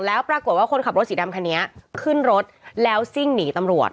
แล้วปรากฏว่าคนขับรถสีดำคันนี้ขึ้นรถแล้วซิ่งหนีตำรวจ